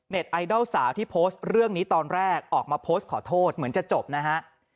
ไอดอลสาวที่โพสต์เรื่องนี้ตอนแรกออกมาโพสต์ขอโทษเหมือนจะจบนะฮะ